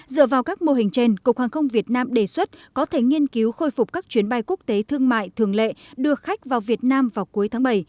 dựa vào các mô hình trên cục hàng không việt nam đề xuất có thể nghiên cứu khôi phục các chuyến bay quốc tế thương mại thường lệ đưa khách vào việt nam vào cuối tháng bảy